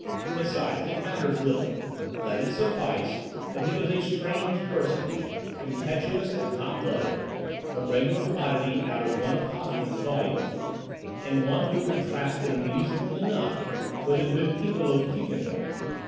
Besides, it matters little; let it suffice that he was a strange personage, impetuous and hot blooded, a regular oddity out of one of Hoffmann's volumes, and one who contrasted amusingly enough with the good people of Quiquendone.